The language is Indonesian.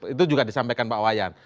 itu juga disampaikan pak wayan